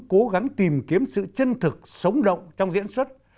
cố gắng tìm kiếm sự chân thực sống động trong diễn xuất